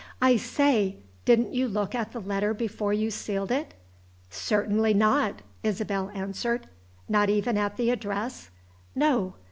"I say! didn't you look at the letter before you sealed it?" "Certainly not!" Isabel answered. "Not even at the address?" "No!"